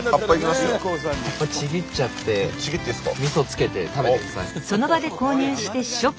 葉っぱちぎっちゃってみそつけて食べてください。